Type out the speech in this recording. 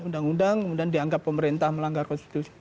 undang undang kemudian dianggap pemerintah melanggar konstitusi